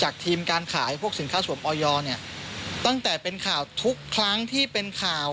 ทีมการขายพวกสินค้าสวมออยอร์เนี่ยตั้งแต่เป็นข่าวทุกครั้งที่เป็นข่าว